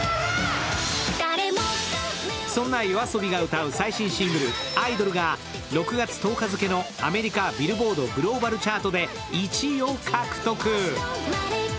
そんなＹＯＡＳＯＢＩが歌う最新シングル「アイドル」が６月１０日付のアメリカ・ビルボード・グローバルチャートで１位を獲得。